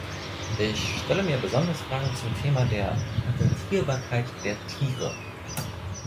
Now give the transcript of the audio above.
Ich stelle mir besonders Fragen zum Thema der Patentierbarkeit der Tiere.